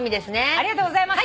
ありがとうございます。